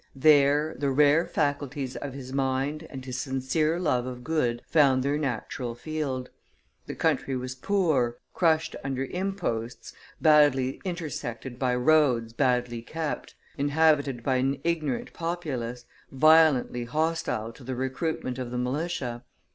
There, the rare faculties of his mind and his sincere love of good found their natural field; the country was poor, crushed under imposts, badly intersected by roads badly kept, inhabited by an ignorant populace, violently hostile to the recruitment of the militia.